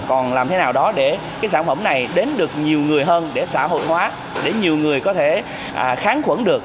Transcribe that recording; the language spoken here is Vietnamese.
còn làm thế nào đó để cái sản phẩm này đến được nhiều người hơn để xã hội hóa để nhiều người có thể kháng khuẩn được